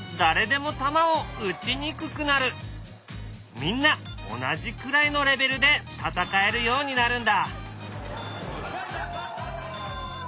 みんな同じくらいのレベルで戦えるようになるんだ。